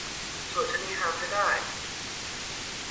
ชวดชะนีห่ามเสียได้